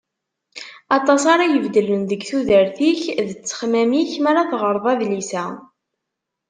Aṭas ara ibeddlen deg tudert-ik d ttexmam-ik mi ara teɣreḍ adlis-a.